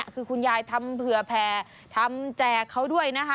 คือคุณยายทำเผื่อแผ่ทำแจกเขาด้วยนะคะ